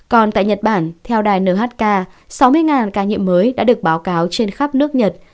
còn tại nhật bản theo đài nhk sáu mươi ca nhiễm mới đã được báo cáo trên khắp nước nhật